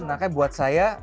makanya buat saya